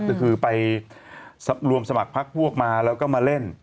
ก็คือไปรวมสมัครพักพวกมาแล้วก็มาเล่น